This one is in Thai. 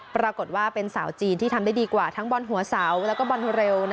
ปรากฏว่าเป็นสาวจีนที่ทำได้ดีกว่าทั้งบอลหัวเสาแล้วก็บอลเร็ว